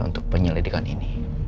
untuk penyelidikan ini